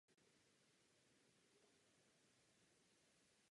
Architektonický návrh systému má převážně vliv na jeho výkon.